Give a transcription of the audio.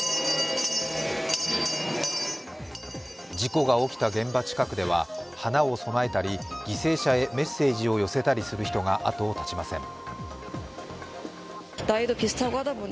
事故が起きた現場近くでは花を供えたり犠牲者へメッセージを寄せたりする人が後を絶ちません。